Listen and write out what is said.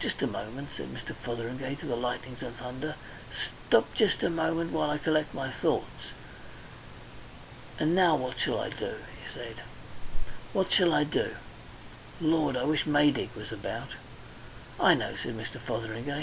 "Just a moment," said Mr. Fotheringay to the lightnings and thunder. "Stop jest a moment while I collect my thoughts... And now what shall I do?" he said. "What shall I do? Lord! I wish Maydig was about." "I know," said Mr. Fotheringay.